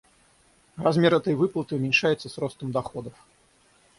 Размер этой выплаты уменьшается с ростом доходов.